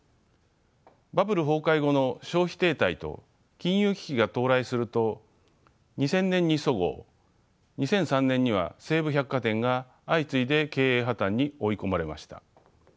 バブル崩壊後の消費停滞と金融危機が到来すると２０００年にそごう２００３年には西武百貨店が相次いで経営破綻に追い込まれました。